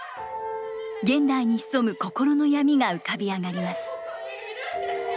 現代に潜む心の闇が浮かび上がります。